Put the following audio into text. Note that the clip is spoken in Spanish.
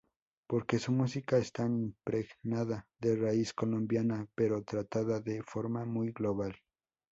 Porque su música está impregnada de raíz colombiana, pero tratada de forma muy global.